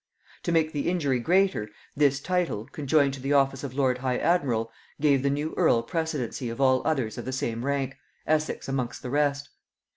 To make the injury greater, this title, conjoined to the office of lord high admiral, gave the new earl precedency of all others of the same rank, Essex amongst the rest.